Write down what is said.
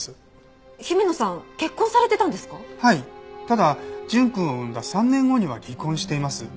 ただ純くんを産んだ３年後には離婚しています。